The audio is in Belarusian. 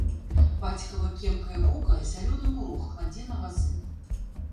Бацькава кемкае вока зялёны мурог кладзе на вазы.